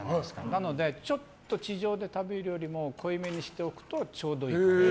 なのでちょっと地上で食べるよりも濃いめにしておくとちょうどいい。